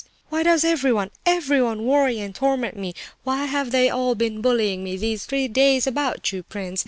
"Why does everyone, everyone worry and torment me? Why have they all been bullying me these three days about you, prince?